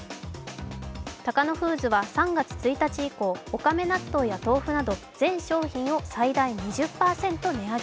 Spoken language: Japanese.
高野フーズは３月１日以降おかめ納豆や豆腐など全商品を最大２０％値上げ。